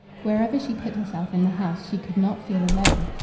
Wherever she put herself in the house she could not feel alone.